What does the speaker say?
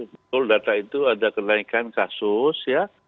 betul data itu ada kenaikan kasus ya